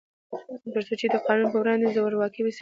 تر څو چې د قانون په وړاندې زورواکي وي، سیاسي نظام نشي رغول کېدای.